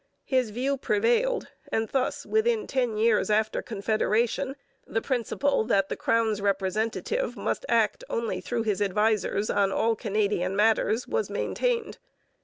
His view prevailed, and thus within ten years after Confederation the principle that the crown's representative must act only through his advisers on all Canadian matters was maintained.